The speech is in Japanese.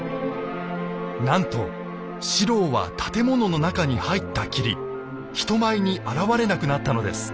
なんと四郎は建物の中に入ったきり人前に現れなくなったのです。